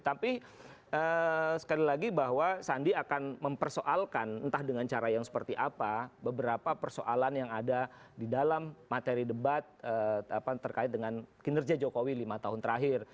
tapi sekali lagi bahwa sandi akan mempersoalkan entah dengan cara yang seperti apa beberapa persoalan yang ada di dalam materi debat terkait dengan kinerja jokowi lima tahun terakhir